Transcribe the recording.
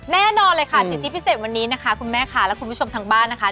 แน่นอนเลยค่ะสิทธิพิเศษวันนี้นะคะคุณแม่ค่ะและคุณผู้ชมทางบ้านนะคะ